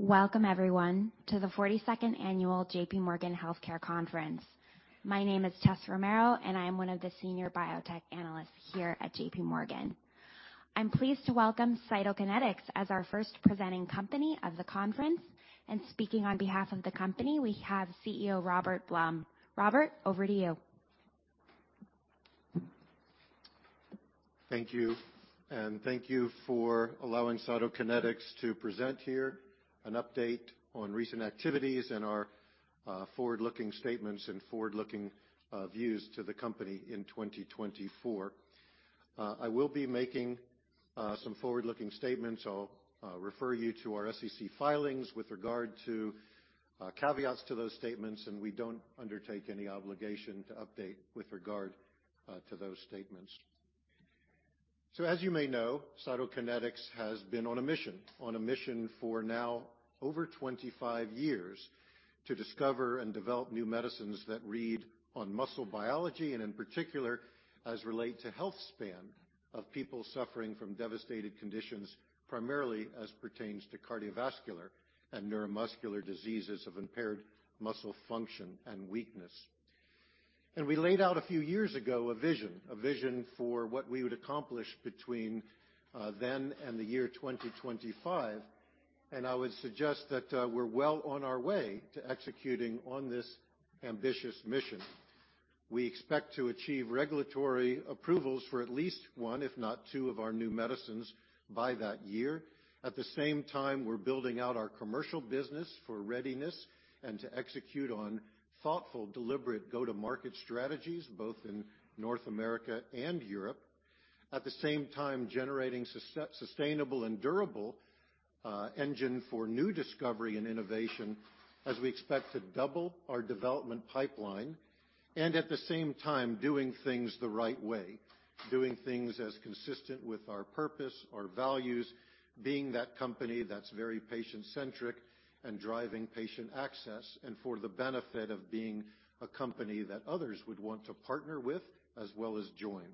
Welcome, everyone, to the 42nd annual JPMorgan Healthcare Conference. My name is Tess Romero, and I am one of the Senior Biotech Analysts here at JPMorgan. I'm pleased to welcome Cytokinetics as our first presenting company of the conference, and speaking on behalf of the company, we have CEO Robert Blum. Robert, over to you. Thank you, and thank you for allowing Cytokinetics to present here an update on recent activities and our forward-looking statements and forward-looking views to the company in 2024. I will be making some forward-looking statements. I'll refer you to our SEC filings with regard to caveats to those statements, and we don't undertake any obligation to update with regard to those statements. So as you may know, Cytokinetics has been on a mission, on a mission for now over 25 years, to discover and develop new medicines that read on muscle biology, and in particular, as relate to healthspan of people suffering from devastated conditions, primarily as pertains to cardiovascular and neuromuscular diseases of impaired muscle function and weakness. We laid out a few years ago a vision, a vision for what we would accomplish between then and the year 2025, and I would suggest that we're well on our way to executing on this ambitious mission. We expect to achieve regulatory approvals for at least one, if not two, of our new medicines by that year. At the same time, we're building out our commercial business for readiness and to execute on thoughtful, deliberate go-to-market strategies, both in North America and Europe. At the same time, generating sustainable and durable engine for new discovery and innovation as we expect to double our development pipeline, and at the same time, doing things the right way. Doing things as consistent with our purpose, our values, being that company that's very patient-centric and driving patient access, and for the benefit of being a company that others would want to partner with, as well as join.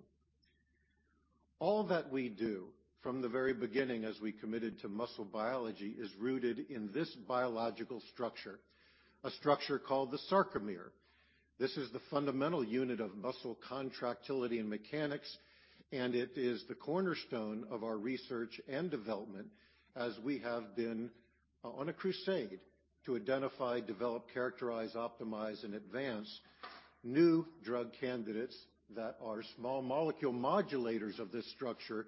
All that we do from the very beginning, as we committed to muscle biology, is rooted in this biological structure, a structure called the sarcomere. This is the fundamental unit of muscle contractility and mechanics, and it is the cornerstone of our research and development as we have been on a crusade to identify, develop, characterize, optimize, and advance new drug candidates that are small molecule modulators of this structure,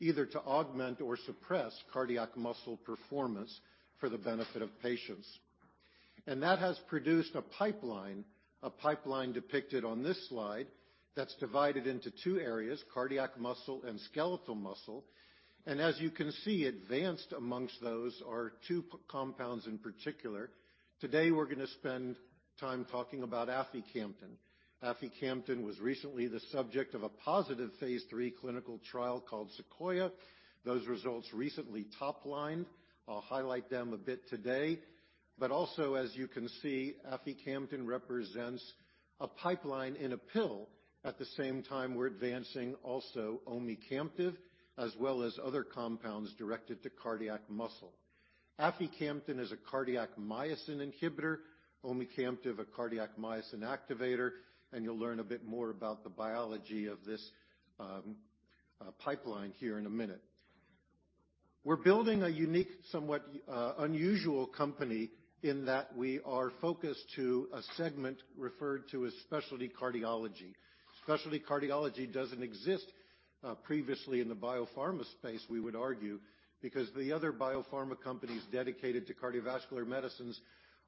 either to augment or suppress cardiac muscle performance for the benefit of patients. That has produced a pipeline, a pipeline depicted on this slide, that's divided into two areas: cardiac muscle and skeletal muscle. As you can see, advanced amongst those are two phase III compounds in particular. Today, we're going to spend time talking about aficamten. Aficamten was recently the subject of a positive phase III clinical trial called SEQUOIA. Those results recently top-lined. I'll highlight them a bit today, but also, as you can see, aficamten represents a pipeline in a pill. At the same time, we're advancing also omecamtiv, as well as other compounds directed to cardiac muscle. Aficamten is a cardiac myosin inhibitor, omecamtiv, a cardiac myosin activator, and you'll learn a bit more about the biology of this pipeline here in a minute. We're building a unique, somewhat unusual company in that we are focused to a segment referred to as specialty cardiology. Specialty cardiology doesn't exist previously in the biopharma space, we would argue, because the other biopharma companies dedicated to cardiovascular medicines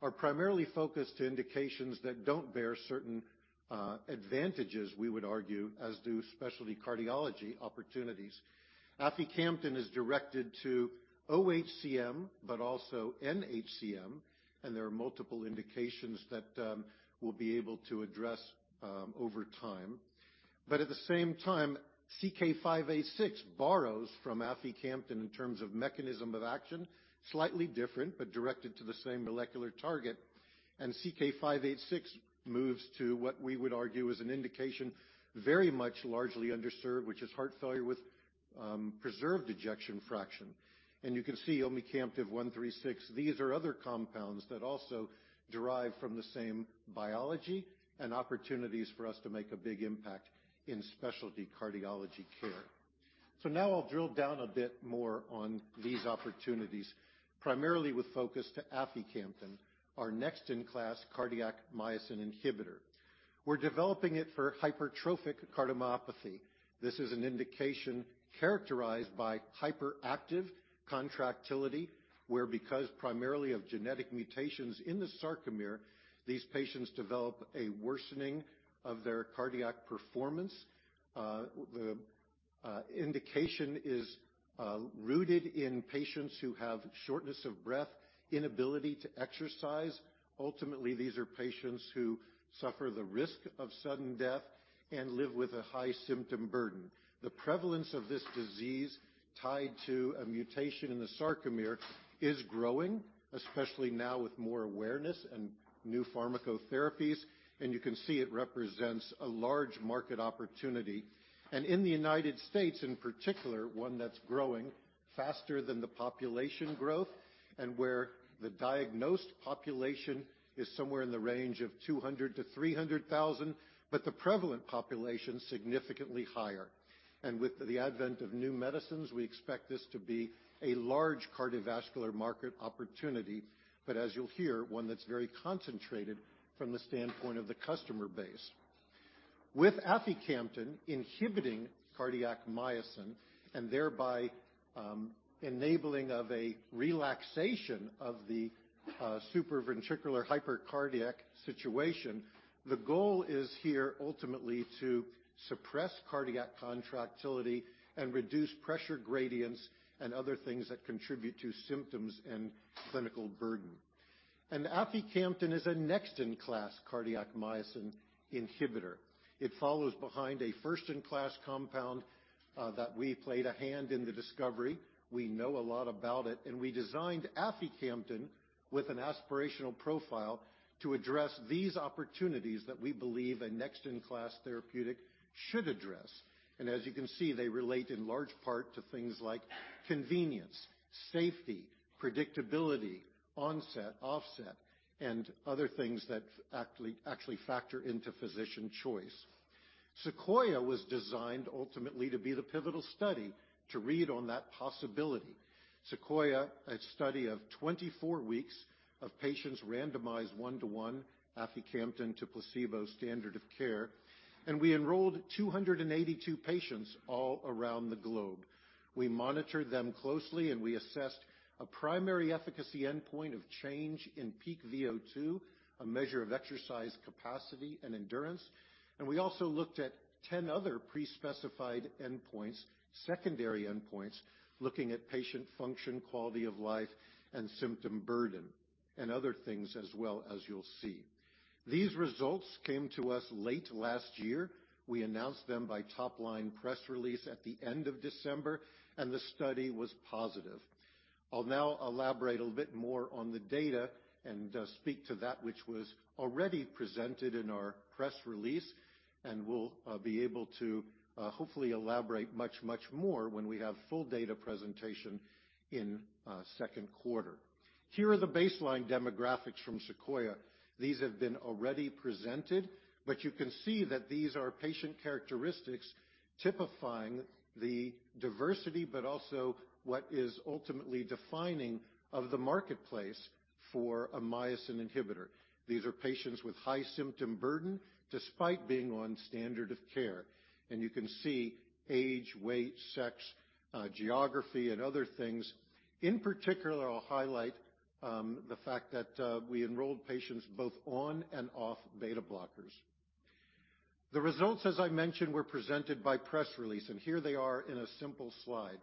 are primarily focused to indications that don't bear certain advantages, we would argue, as do specialty cardiology opportunities. Aficamten is directed to oHCM, but also nHCM, and there are multiple indications that we'll be able to address over time. But at the same time, CK-586 borrows from aficamten in terms of mechanism of action, slightly different, but directed to the same molecular target. And CK-586 moves to what we would argue is an indication very much largely underserved, which is heart failure with preserved ejection fraction. And you can see omecamtiv 136, these are other compounds that also derive from the same biology and opportunities for us to make a big impact in specialty cardiology care. So now I'll drill down a bit more on these opportunities, primarily with focus to aficamten, our next-in-class cardiac myosin inhibitor. We're developing it for hypertrophic cardiomyopathy. This is an indication characterized by hyperactive contractility, where because primarily of genetic mutations in the sarcomere, these patients develop a worsening of their cardiac performance. The indication is rooted in patients who have shortness of breath, inability to exercise. Ultimately, these are patients who suffer the risk of sudden death and live with a high symptom burden. The prevalence of this disease, tied to a mutation in the sarcomere, is growing, especially now with more awareness and new pharmacotherapies, and you can see it represents a large market opportunity. In the United States, in particular, one that's growing faster than the population growth, and where the diagnosed population is somewhere in the range of 200-300 thousand, but the prevalent population is significantly higher. With the advent of new medicines, we expect this to be a large cardiovascular market opportunity, but as you'll hear, one that's very concentrated from the standpoint of the customer base. With aficamten inhibiting cardiac myosin and thereby enabling of a relaxation of the superventricular hypercardiac situation, the goal is here ultimately to suppress cardiac contractility and reduce pressure gradients and other things that contribute to symptoms and clinical burden. Aficamten is a next-in-class cardiac myosin inhibitor. It follows behind a first-in-class compound that we played a hand in the discovery. We know a lot about it, and we designed aficamten with an aspirational profile to address these opportunities that we believe a next-in-class therapeutic should address. As you can see, they relate in large part to things like convenience, safety, predictability, onset, offset, and other things that actually, actually factor into physician choice. SEQUOIA was designed ultimately to be the pivotal study to read on that possibility. SEQUOIA, a study of 24 weeks of patients randomized 1 to 1, aficamten to placebo standard of care, and we enrolled 282 patients all around the globe. We monitored them closely, and we assessed a primary efficacy endpoint of change in peak VO2, a measure of exercise capacity and endurance. We also looked at 10 other pre-specified endpoints, secondary endpoints, looking at patient function, quality of life, and symptom burden, and other things as well as you'll see. These results came to us late last year. We announced them by top-line press release at the end of December, and the study was positive. I'll now elaborate a little bit more on the data and speak to that which was already presented in our press release, and we'll be able to hopefully elaborate much, much more when we have full data presentation in second quarter. Here are the baseline demographics from SEQUOIA. These have been already presented, but you can see that these are patient characteristics typifying the diversity, but also what is ultimately defining of the marketplace for a myosin inhibitor. These are patients with high symptom burden despite being on standard of care. You can see age, weight, sex, geography, and other things. In particular, I'll highlight the fact that we enrolled patients both on and off beta blockers. The results, as I mentioned, were presented by press release, and here they are in a simple slide.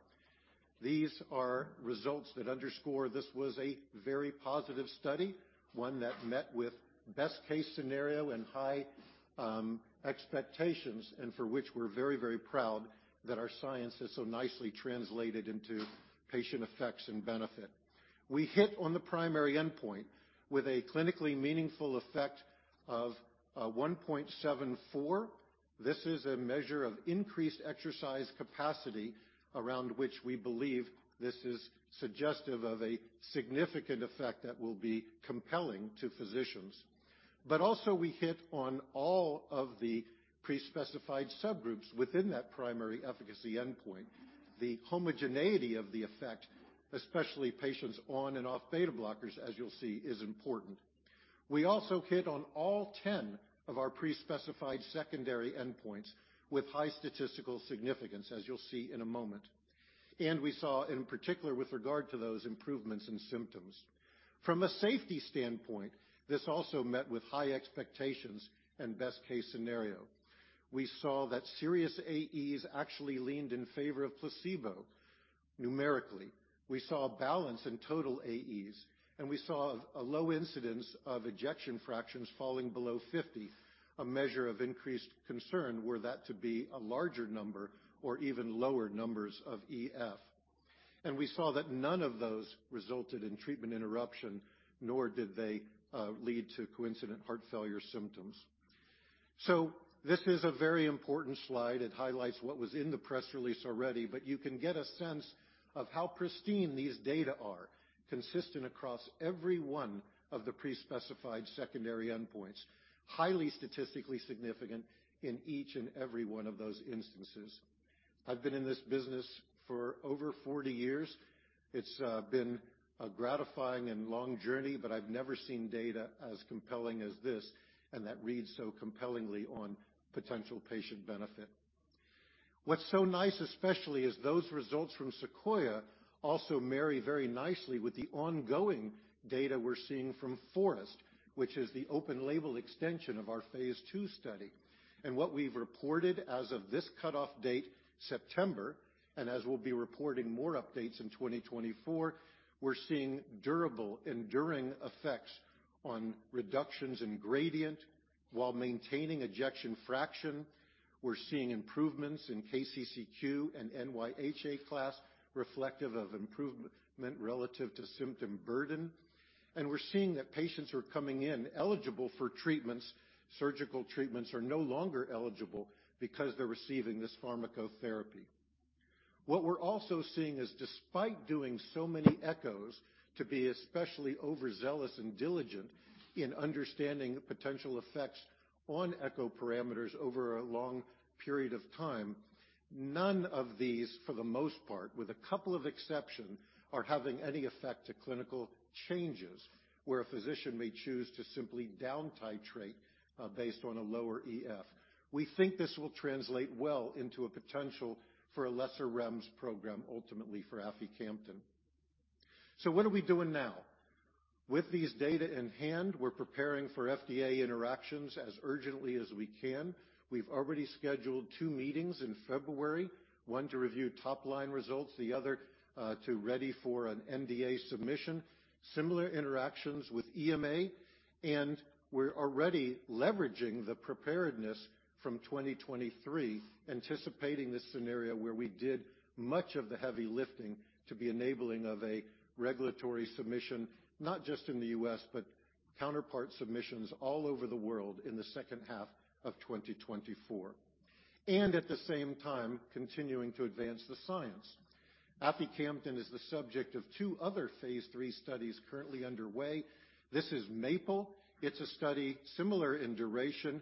These are results that underscore this was a very positive study, one that met with best case scenario and high expectations, and for which we're very, very proud that our science has so nicely translated into patient effects and benefit. We hit on the primary endpoint with a clinically meaningful effect of 1.74. This is a measure of increased exercise capacity around which we believe this is suggestive of a significant effect that will be compelling to physicians. But also we hit on all of the pre-specified subgroups within that primary efficacy endpoint. The homogeneity of the effect, especially patients on and off beta blockers, as you'll see, is important. We also hit on all 10 of our pre-specified secondary endpoints with high statistical significance, as you'll see in a moment. We saw, in particular, with regard to those improvements in symptoms. From a safety standpoint, this also met with high expectations and best-case scenario. We saw that serious AEs actually leaned in favor of placebo. Numerically, we saw a balance in total AEs, and we saw a low incidence of ejection fractions falling below 50, a measure of increased concern were that to be a larger number or even lower numbers of EF. We saw that none of those resulted in treatment interruption, nor did they lead to coincident heart failure symptoms. This is a very important slide. It highlights what was in the press release already, but you can get a sense of how pristine these data are, consistent across every one of the pre-specified secondary endpoints, highly statistically significant in each and every one of those instances. I've been in this business for over 40 years. It's been a gratifying and long journey, but I've never seen data as compelling as this and that reads so compellingly on potential patient benefit…. What's so nice, especially, is those results from SEQUOIA also marry very nicely with the ongoing data we're seeing from FOREST, which is the open label extension of our phase II study. And what we've reported as of this cutoff date, September, and as we'll be reporting more updates in 2024, we're seeing durable, enduring effects on reductions in gradient while maintaining ejection fraction. We're seeing improvements in KCCQ and NYHA Class, reflective of improvement relative to symptom burden. And we're seeing that patients who are coming in eligible for treatments, surgical treatments, are no longer eligible because they're receiving this pharmacotherapy. What we're also seeing is despite doing so many echos to be especially overzealous and diligent in understanding potential effects on echo parameters over a long period of time, none of these, for the most part, with a couple of exception, are having any effect to clinical changes, where a physician may choose to simply down titrate based on a lower EF. We think this will translate well into a potential for a lesser REMS program, ultimately for aficamten. So what are we doing now? With these data in hand, we're preparing for FDA interactions as urgently as we can. We've already scheduled two meetings in February, one to review top-line results, the other, to ready for an NDA submission. Similar interactions with EMA, and we're already leveraging the preparedness from 2023, anticipating this scenario where we did much of the heavy lifting to be enabling of a regulatory submission, not just in the U.S., but counterpart submissions all over the world in the second half of 2024. And at the same time, continuing to advance the science. Aficamten is the subject of two other phase III studies currently underway. This is MAPLE. It's a study similar in duration,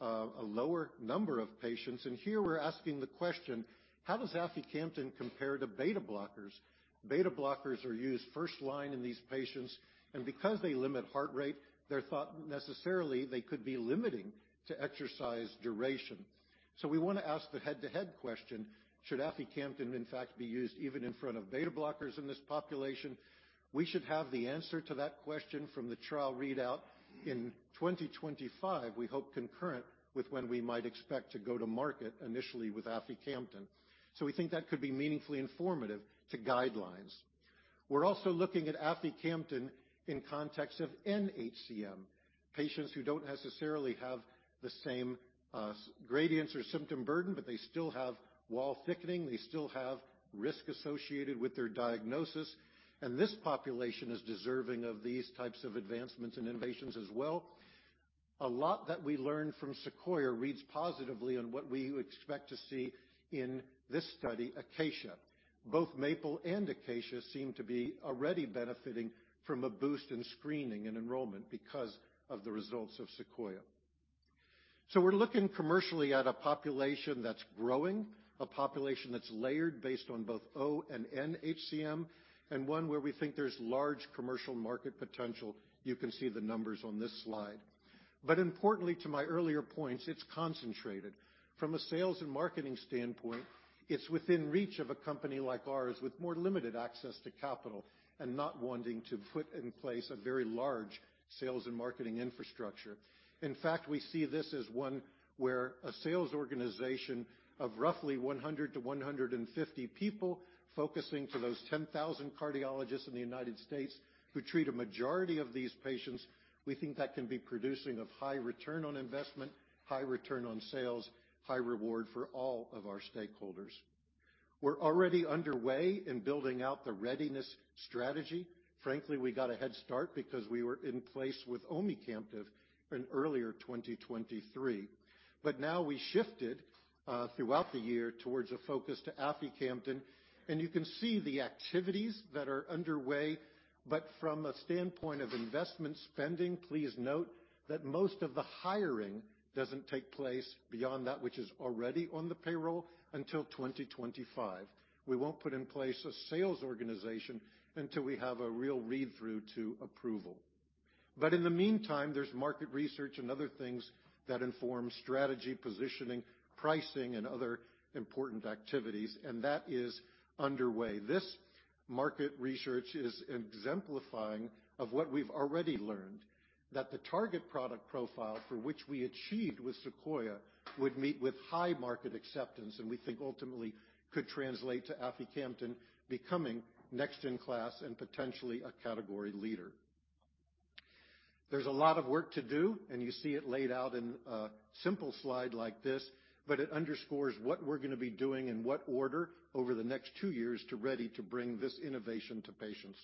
a lower number of patients, and here we're asking the question: How does aficamten compare to beta blockers? Beta blockers are used first line in these patients, and because they limit heart rate, they're thought necessarily they could be limiting to exercise duration. So we want to ask the head-to-head question, should aficamten, in fact, be used even in front of beta blockers in this population? We should have the answer to that question from the trial readout in 2025. We hope concurrent with when we might expect to go to market initially with aficamten. So we think that could be meaningfully informative to guidelines. We're also looking at aficamten in context of nHCM, patients who don't necessarily have the same, gradients or symptom burden, but they still have wall thickening, they still have risk associated with their diagnosis, and this population is deserving of these types of advancements and innovations as well. A lot that we learned from SEQUOIA reads positively on what we expect to see in this study, ACACIA. Both MAPLE and ACACIA seem to be already benefiting from a boost in screening and enrollment because of the results of SEQUOIA. So we're looking commercially at a population that's growing, a population that's layered based on both o and nHCM, and one where we think there's large commercial market potential. You can see the numbers on this slide. But importantly to my earlier points, it's concentrated. From a sales and marketing standpoint, it's within reach of a company like ours, with more limited access to capital and not wanting to put in place a very large sales and marketing infrastructure. In fact, we see this as one where a sales organization of roughly 100-150 people focusing for those 10,000 cardiologists in the United States who treat a majority of these patients, we think that can be producing a high return on investment, high return on sales, high reward for all of our stakeholders. We're already underway in building out the readiness strategy. Frankly, we got a head start because we were in place with omecamtiv in earlier 2023. But now we shifted, throughout the year towards a focus to aficamten, and you can see the activities that are underway. But from a standpoint of investment spending, please note that most of the hiring doesn't take place beyond that which is already on the payroll until 2025. We won't put in place a sales organization until we have a real read-through to approval. But in the meantime, there's market research and other things that inform strategy, positioning, pricing, and other important activities, and that is underway. This market research is exemplifying of what we've already learned, that the target product profile for which we achieved with SEQUOIA would meet with high market acceptance and we think ultimately could translate to aficamten becoming next in class and potentially a category leader. There's a lot of work to do, and you see it laid out in a simple slide like this, but it underscores what we're going to be doing in what order over the next two years to ready to bring this innovation to patients.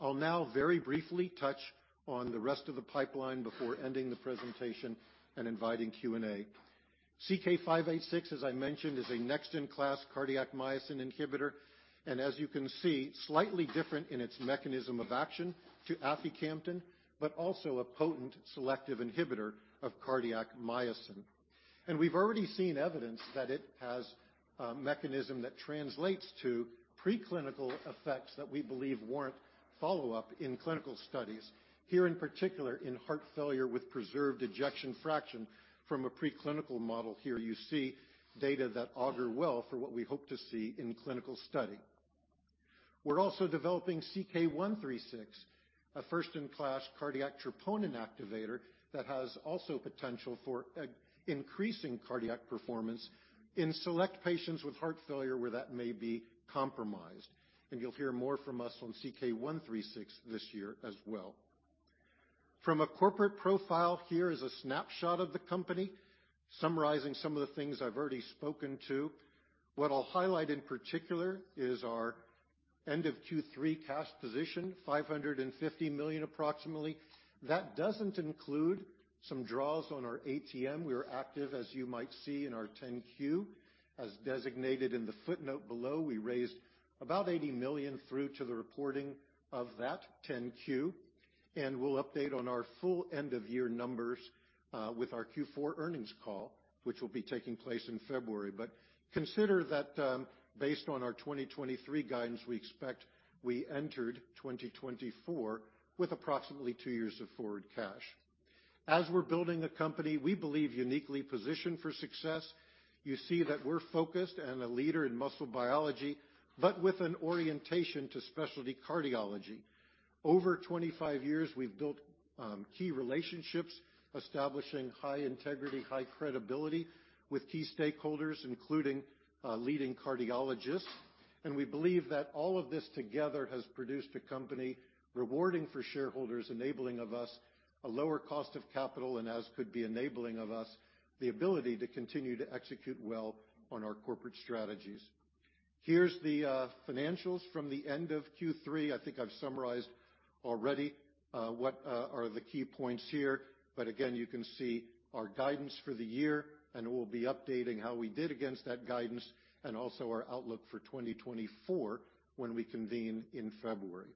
I'll now very briefly touch on the rest of the pipeline before ending the presentation and inviting Q&A. CK-586, as I mentioned, is a next-in-class cardiac myosin inhibitor, and as you can see, slightly different in its mechanism of action to aficamten, but also a potent selective inhibitor of cardiac myosin. And we've already seen evidence that it has a mechanism that translates to preclinical effects that we believe warrant follow-up in clinical studies. Here, in particular, in heart failure with preserved ejection fraction from a preclinical model. Here, you see data that augur well for what we hope to see in clinical study. We're also developing CK-136, a first-in-class cardiac troponin activator that has also potential for increasing cardiac performance in select patients with heart failure, where that may be compromised, and you'll hear more from us on CK-136 this year as well. From a corporate profile, here is a snapshot of the company, summarizing some of the things I've already spoken to. What I'll highlight in particular is our end-of-Q3 cash position, $550 million, approximately. That doesn't include some draws on our ATM. We are active, as you might see in our 10-Q. As designated in the footnote below, we raised about $80 million through to the reporting of that 10-Q, and we'll update on our full end-of-year numbers with our Q4 earnings call, which will be taking place in February. But consider that, based on our 2023 guidance, we expect we entered 2024 with approximately two years of forward cash. As we're building a company, we believe uniquely positioned for success, you see that we're focused and a leader in muscle biology, but with an orientation to specialty cardiology. Over 25 years, we've built key relationships, establishing high integrity, high credibility with key stakeholders, including leading cardiologists. We believe that all of this together has produced a company rewarding for shareholders, enabling of us a lower cost of capital and as could be enabling of us the ability to continue to execute well on our corporate strategies. Here's the financials from the end of Q3. I think I've summarized already what are the key points here, but again, you can see our guidance for the year, and we'll be updating how we did against that guidance and also our outlook for 2024 when we convene in February.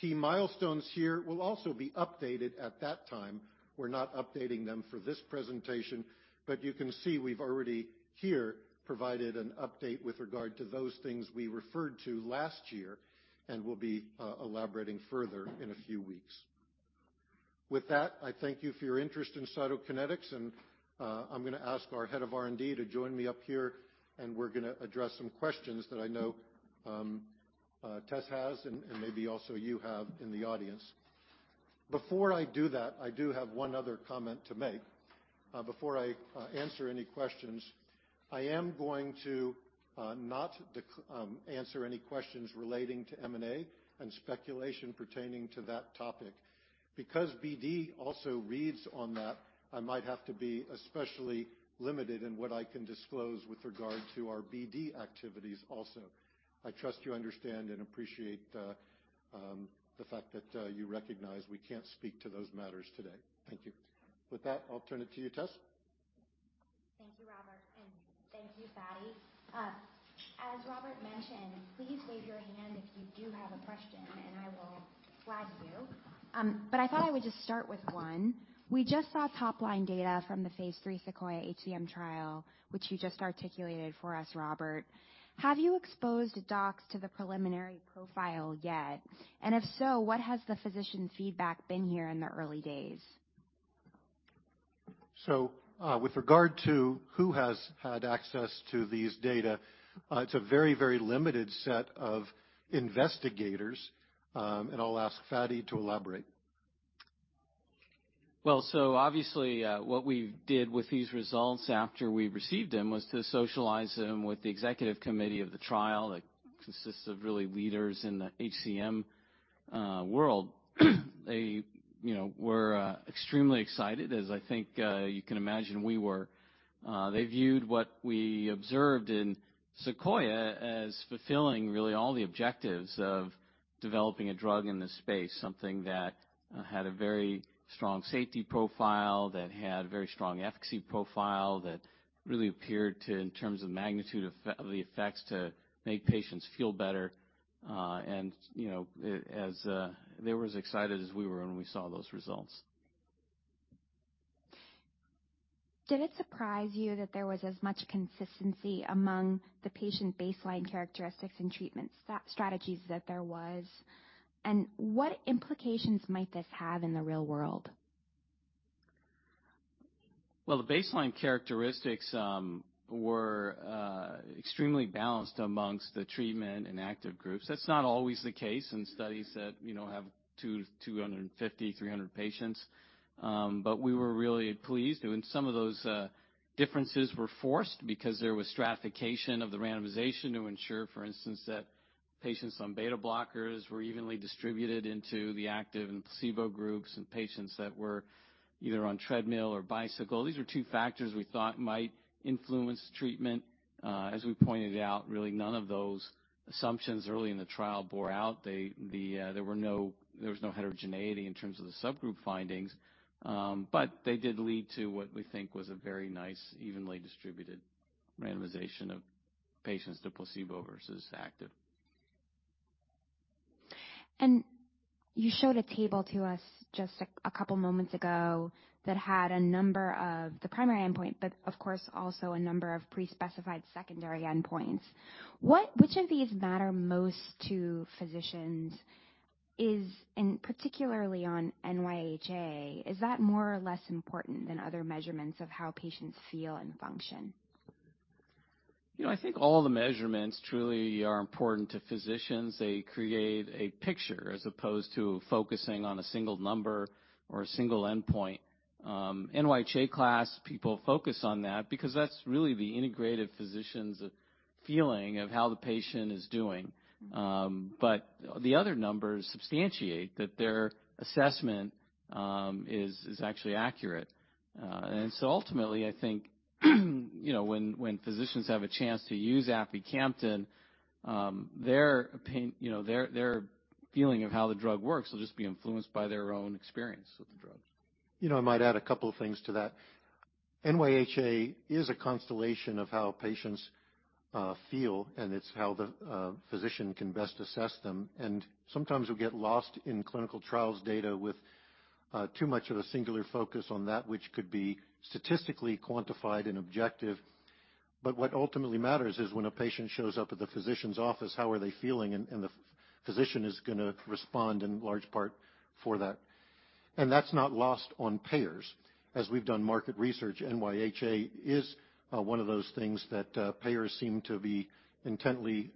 Key milestones here will also be updated at that time. We're not updating them for this presentation, but you can see we've already here provided an update with regard to those things we referred to last year and will be elaborating further in a few weeks. With that, I thank you for your interest in Cytokinetics, and I'm going to ask our head of R&D to join me up here, and we're going to address some questions that I know Tess has and maybe also you have in the audience. Before I do that, I do have one other comment to make. Before I answer any questions, I am going to not answer any questions relating to M&A and speculation pertaining to that topic. Because BD also reads on that, I might have to be especially limited in what I can disclose with regard to our BD activities also. I trust you understand and appreciate the fact that you recognize we can't speak to those matters today. Thank you. With that, I'll turn it to you, Tess. Thank you, Robert, and thank you, Fady. As Robert mentioned, please wave your hand if you do have a question, and I will flag you. But I thought I would just start with one. We just saw top-line data from the phase III SEQUOIA-HCM trial, which you just articulated for us, Robert. Have you exposed docs to the preliminary profile yet? And if so, what has the physician feedback been here in the early days? So, with regard to who has had access to these data, it's a very, very limited set of investigators, and I'll ask Fady to elaborate. Well, so obviously, what we did with these results after we received them was to socialize them with the executive committee of the trial. It consists of really leaders in the HCM world. They, you know, were extremely excited, as I think you can imagine we were. They viewed what we observed in SEQUOIA as fulfilling, really, all the objectives of developing a drug in this space, something that had a very strong safety profile, that had a very strong efficacy profile, that really appeared to, in terms of magnitude of the effects, to make patients feel better. And, you know, they were as excited as we were when we saw those results. Did it surprise you that there was as much consistency among the patient baseline characteristics and treatment strategies that there was, and what implications might this have in the real world? Well, the baseline characteristics were extremely balanced among the treatment and active groups. That's not always the case in studies that, you know, have two, 250, 300 patients. But we were really pleased, and some of those differences were forced because there was stratification of the randomization to ensure, for instance, that patients on beta blockers were evenly distributed into the active and placebo groups and patients that were either on treadmill or bicycle. These are two factors we thought might influence treatment. As we pointed out, really none of those assumptions early in the trial bore out. There was no heterogeneity in terms of the subgroup findings, but they did lead to what we think was a very nice, evenly distributed randomization of patients to placebo versus active. ...you showed a table to us just a couple moments ago that had a number of the primary endpoint, but of course, also a number of pre-specified secondary endpoints. Which of these matter most to physicians is, and particularly on NYHA, is that more or less important than other measurements of how patients feel and function? You know, I think all the measurements truly are important to physicians. They create a picture as opposed to focusing on a single number or a single endpoint. NYHA Class, people focus on that because that's really the integrated physician's feeling of how the patient is doing. But the other numbers substantiate that their assessment is actually accurate. And so ultimately, I think, you know, when, when physicians have a chance to use aficamten, their pain... You know, their, their feeling of how the drug works will just be influenced by their own experience with the drugs. You know, I might add a couple of things to that. NYHA is a constellation of how patients feel, and it's how the physician can best assess them. And sometimes we get lost in clinical trials data with too much of a singular focus on that, which could be statistically quantified and objective. But what ultimately matters is when a patient shows up at the physician's office, how are they feeling? And the physician is going to respond in large part for that. And that's not lost on payers. As we've done market research, NYHA is one of those things that payers seem to be intently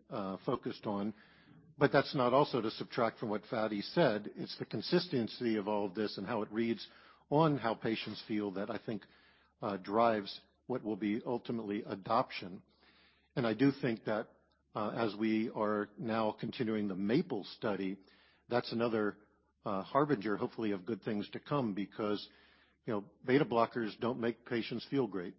focused on. But that's not also to subtract from what Fady said. It's the consistency of all of this and how it reads on how patients feel that I think drives what will be ultimately adoption. I do think that, as we are now continuing the MAPLE study, that's another harbinger, hopefully, of good things to come because, you know, beta blockers don't make patients feel great.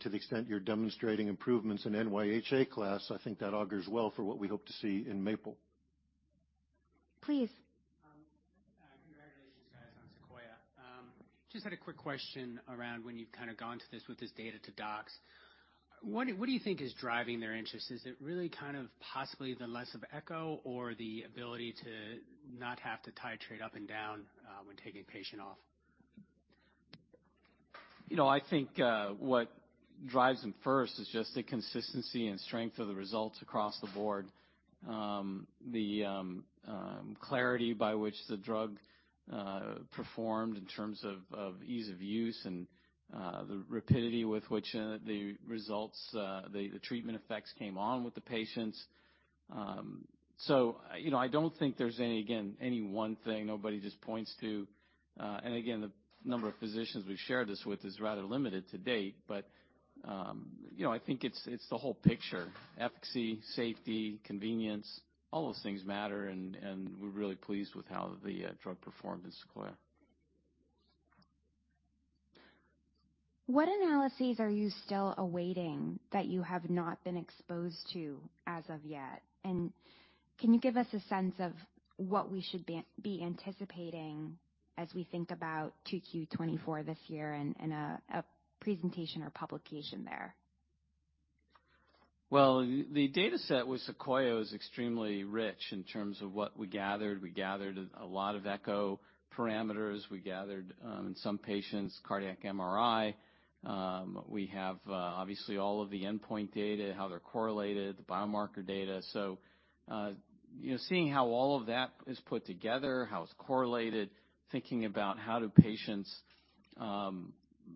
To the extent you're demonstrating improvements in NYHA Class, I think that augurs well for what we hope to see in MAPLE. Please. Congratulations, guys, on SEQUOIA. Just had a quick question around when you've kind of gone to this, with this data to docs. What do you think is driving their interest? Is it really kind of possibly the less of echo or the ability to not have to titrate up and down, when taking a patient off? You know, I think what drives them first is just the consistency and strength of the results across the board. The clarity by which the drug performed in terms of ease of use and the rapidity with which the results, the treatment effects came on with the patients. So, you know, I don't think there's any, again, any one thing nobody just points to. And again, the number of physicians we've shared this with is rather limited to date, but you know, I think it's the whole picture. Efficacy, safety, convenience, all those things matter, and we're really pleased with how the drug performed in SEQUOIA. What analyses are you still awaiting that you have not been exposed to as of yet? And can you give us a sense of what we should be anticipating as we think about 2Q 2024 this year and a presentation or publication there? Well, the dataset with SEQUOIA is extremely rich in terms of what we gathered. We gathered a lot of echo parameters. We gathered, in some patients, cardiac MRI. We have, obviously, all of the endpoint data, how they're correlated, the biomarker data. So, you know, seeing how all of that is put together, how it's correlated, thinking about how do patients,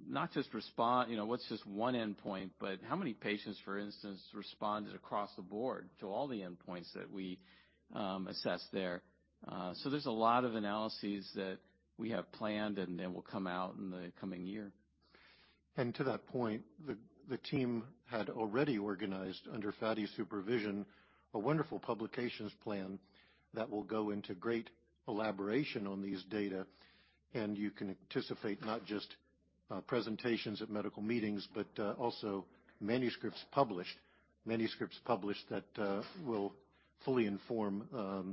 not just respond, you know, what's just one endpoint, but how many patients, for instance, responded across the board to all the endpoints that we, assessed there? So, there's a lot of analyses that we have planned and will come out in the coming year. And to that point, the team had already organized, under Fady's supervision, a wonderful publications plan that will go into great elaboration on these data, and you can anticipate not just presentations at medical meetings, but also manuscripts published, manuscripts published that will fully inform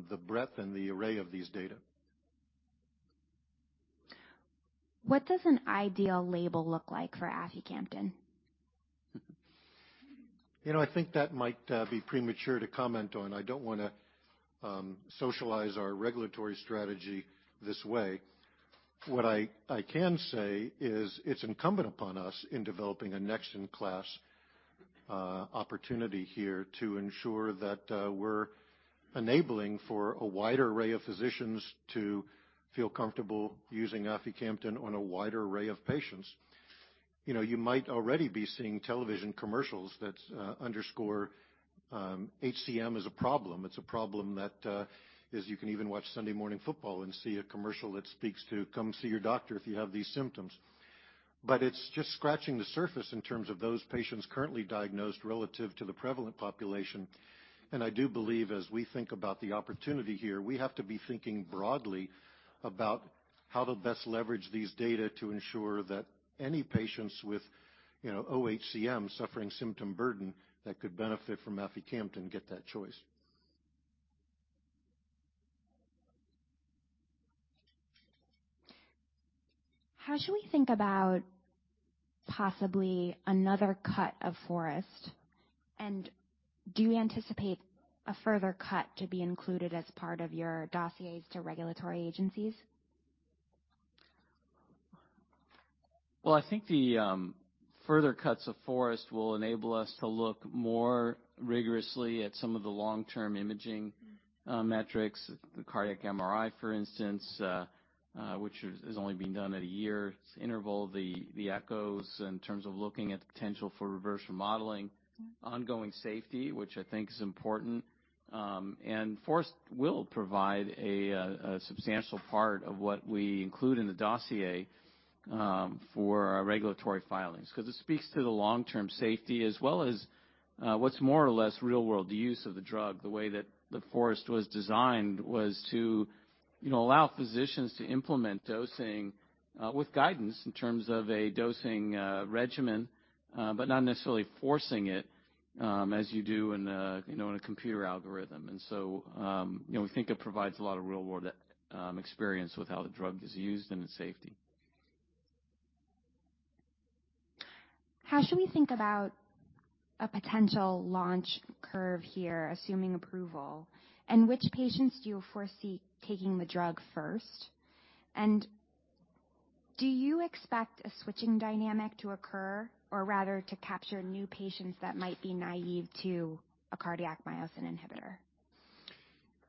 the breadth and the array of these data. What does an ideal label look like for aficamten? You know, I think that might be premature to comment on. I don't wanna socialize our regulatory strategy this way. What I, I can say is, it's incumbent upon us in developing a next-in-class opportunity here to ensure that we're enabling for a wider array of physicians to feel comfortable using aficamten on a wider array of patients. You know, you might already be seeing television commercials that underscore HCM as a problem. It's a problem that is you can even watch Sunday Morning Football and see a commercial that speaks to, "Come see your doctor if you have these symptoms." But it's just scratching the surface in terms of those patients currently diagnosed relative to the prevalent population. I do believe as we think about the opportunity here, we have to be thinking broadly about how to best leverage these data to ensure that any patients with, you know, oHCM suffering symptom burden that could benefit from aficamten get that choice. How should we think about possibly another cut of FOREST? Do you anticipate a further cut to be included as part of your dossiers to regulatory agencies? Well, I think the further cuts of FOREST will enable us to look more rigorously at some of the long-term imaging metrics, the cardiac MRI, for instance, which is only being done at a year's interval, the echos in terms of looking at the potential for reverse remodeling, ongoing safety, which I think is important. And FOREST will provide a substantial part of what we include in the dossier for our regulatory filings, because it speaks to the long-term safety as well as what's more or less real-world use of the drug. The way that the FOREST was designed was to, you know, allow physicians to implement dosing with guidance in terms of a dosing regimen, but not necessarily forcing it, as you do in a, you know, in a computer algorithm. You know, we think it provides a lot of real-world experience with how the drug is used and its safety. How should we think about a potential launch curve here, assuming approval? And which patients do you foresee taking the drug first? And do you expect a switching dynamic to occur, or rather, to capture new patients that might be naive to a cardiac myosin inhibitor?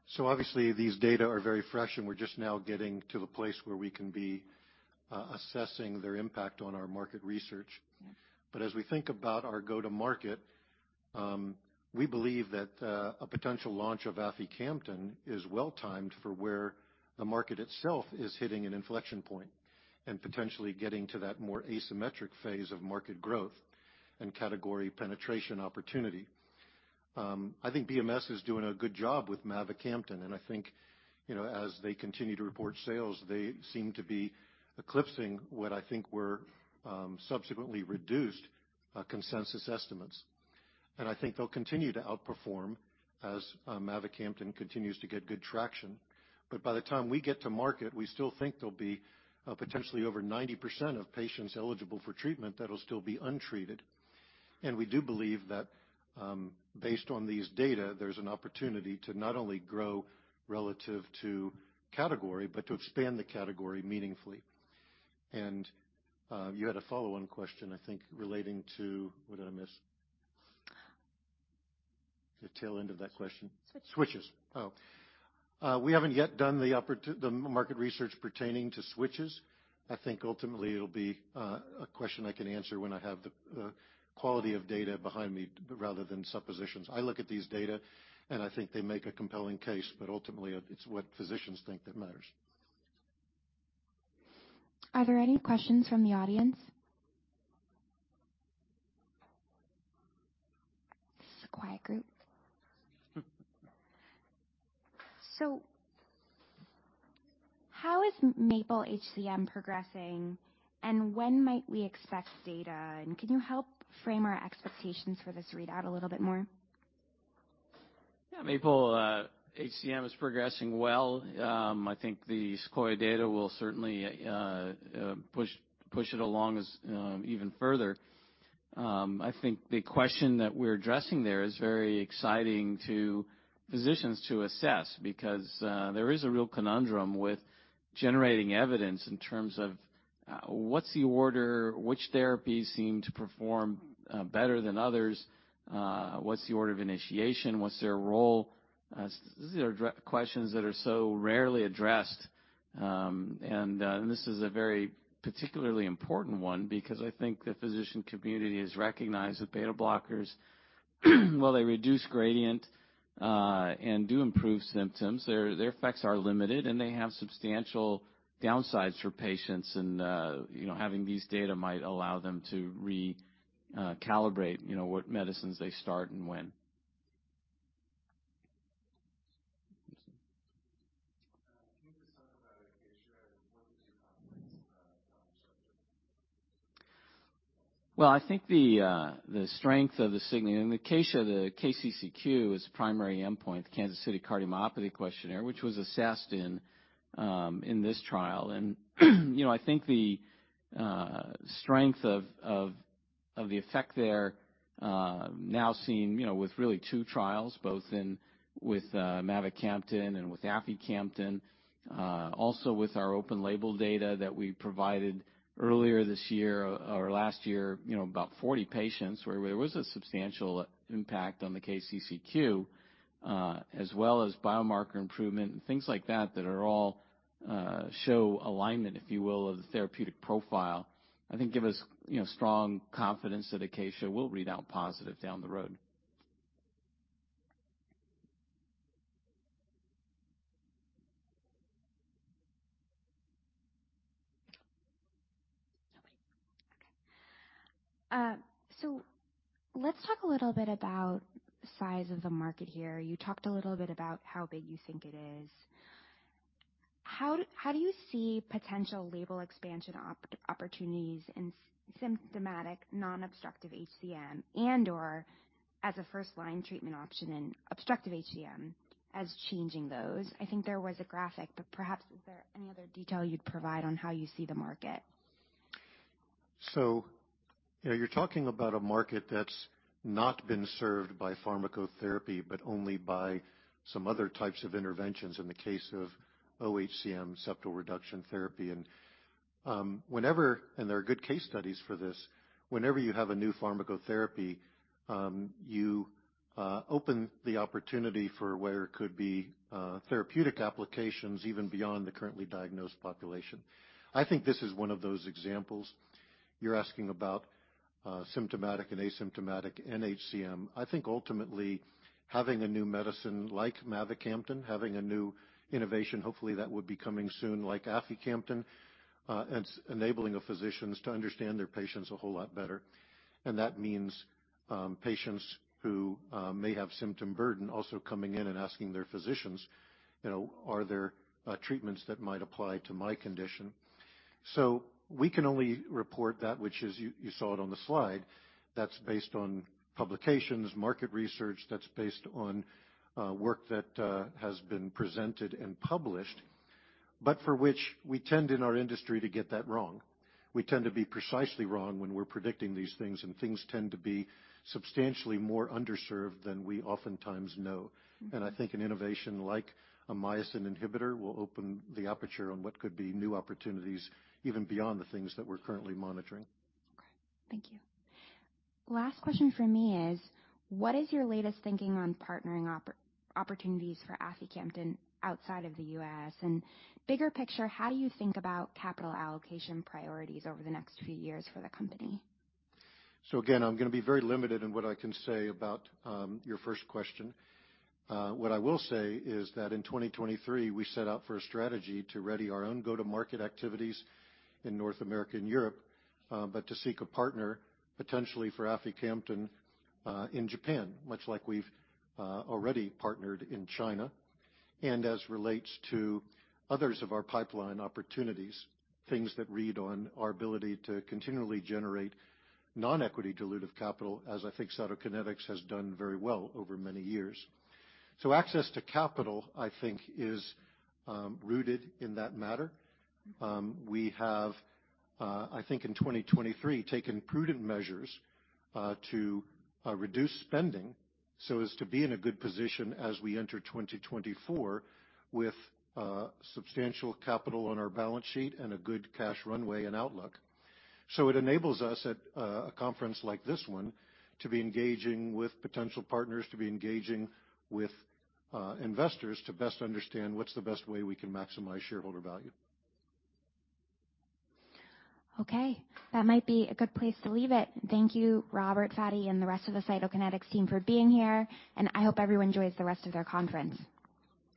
So obviously, these data are very fresh, and we're just now getting to the place where we can be, assessing their impact on our market research. But as we think about our go-to-market, we believe that, a potential launch of aficamten is well-timed for where the market itself is hitting an inflection point and potentially getting to that more asymmetric phase of market growth and category penetration opportunity. I think BMS is doing a good job with mavacamten, and I think, you know, as they continue to report sales, they seem to be eclipsing what I think were, subsequently reduced, consensus estimates. And I think they'll continue to outperform as, mavacamten continues to get good traction. But by the time we get to market, we still think there'll be, potentially over 90% of patients eligible for treatment that'll still be untreated. We do believe that, based on these data, there's an opportunity to not only grow relative to category, but to expand the category meaningfully. You had a follow-on question, I think, relating to... What did I miss? The tail end of that question. Switch. Switches. Oh, we haven't yet done the market research pertaining to switches. I think ultimately it'll be a question I can answer when I have the quality of data behind me rather than suppositions. I look at these data, and I think they make a compelling case, but ultimately, it's what physicians think that matters. Are there any questions from the audience? This is a quiet group. So how is MAPLE-HCM progressing, and when might we expect data? And can you help frame our expectations for this readout a little bit more? Yeah, MAPLE-HCM is progressing well. I think the SEQUOIA data will certainly push it along as even further. I think the question that we're addressing there is very exciting to physicians to assess because there is a real conundrum with generating evidence in terms of what's the order, which therapies seem to perform better than others? What's the order of initiation? What's their role? These are questions that are so rarely addressed, and this is a very particularly important one because I think the physician community has recognized that beta blockers, while they reduce gradient and do improve symptoms, their effects are limited, and they have substantial downsides for patients. You know, having these data might allow them to recalibrate, you know, what medicines they start and when. Can you just talk about ACACIA-HCM and what are your thoughts on the subject? Well, I think the strength of the signaling, and ACACIA-HCM, the KCCQ, is the primary endpoint, the Kansas City Cardiomyopathy Questionnaire, which was assessed in this trial. You know, I think the strength of the effect there now seen, you know, with really two trials, both with mavacamten and with aficamten, also with our open label data that we provided earlier this year or last year, you know, about 40 patients, where there was a substantial impact on the KCCQ, as well as biomarker improvement and things like that, that are all show alignment, if you will, of the therapeutic profile, I think give us, you know, strong confidence that ACACIA-HCM will read out positive down the road. Okay. So let's talk a little bit about the size of the market here. You talked a little bit about how big you think it is. How, how do you see potential label expansion opportunities in symptomatic, non-obstructive HCM and/or as a first-line treatment option in obstructive HCM as changing those? I think there was a graphic, but perhaps is there any other detail you'd provide on how you see the market? ...So, you know, you're talking about a market that's not been served by pharmacotherapy, but only by some other types of interventions in the case of oHCM septal reduction therapy. And, and there are good case studies for this, whenever you have a new pharmacotherapy, you open the opportunity for where could be therapeutic applications even beyond the currently diagnosed population. I think this is one of those examples. You're asking about symptomatic and asymptomatic nHCM. I think ultimately, having a new medicine like mavacamten, having a new innovation, hopefully, that would be coming soon, like aficamten, it's enabling the physicians to understand their patients a whole lot better. That means, patients who may have symptom burden also coming in and asking their physicians, you know, "Are there treatments that might apply to my condition?" So we can only report that, which is, you saw it on the slide. That's based on publications, market research, that's based on work that has been presented and published, but for which we tend in our industry to get that wrong. We tend to be precisely wrong when we're predicting these things, and things tend to be substantially more underserved than we oftentimes know. And I think an innovation like a myosin inhibitor will open the aperture on what could be new opportunities, even beyond the things that we're currently monitoring. Okay. Thank you. Last question from me is, what is your latest thinking on partnering opportunities for aficamten outside of the U.S.? And bigger picture, how do you think about capital allocation priorities over the next few years for the company? So again, I'm going to be very limited in what I can say about your first question. What I will say is that in 2023, we set out for a strategy to ready our own go-to-market activities in North America and Europe, but to seek a partner, potentially for aficamten, in Japan, much like we've already partnered in China. And as relates to others of our pipeline opportunities, things that read on our ability to continually generate non-equity dilutive capital, as I think Cytokinetics has done very well over many years. So access to capital, I think, is rooted in that matter. We have, I think in 2023, taken prudent measures, to reduce spending so as to be in a good position as we enter 2024, with substantial capital on our balance sheet and a good cash runway and outlook. So it enables us at a conference like this one, to be engaging with potential partners, to be engaging with investors, to best understand what's the best way we can maximize shareholder value. Okay, that might be a good place to leave it. Thank you, Robert, Fady, and the rest of the Cytokinetics team for being here, and I hope everyone enjoys the rest of their conference.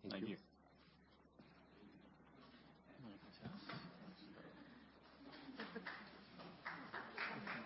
Thank you. Thank you.